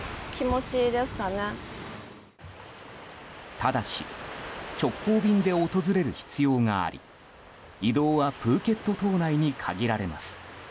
ただし直行便で訪れる必要があり移動はプーケット島内に限られます。